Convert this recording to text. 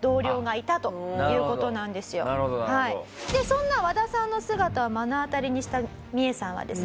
そんな和田さんの姿を目の当たりにしたミエさんはですね